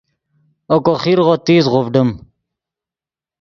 اوکو خیرغو تیز غوڤڈیم